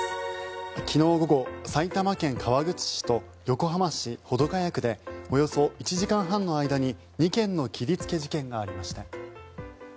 昨日午後、埼玉県川口市と横浜市保土ケ谷区でおよそ１時間半の間に２件の切りつけ事件がありました。